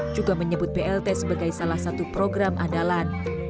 juga menyebut blt sebagai salah satu program andalan